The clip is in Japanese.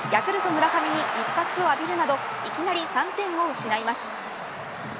村上に一発を浴びるなどいきなり３点を失います。